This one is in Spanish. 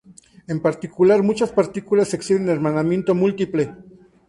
En particular, muchas partículas exhiben hermanamiento múltiple.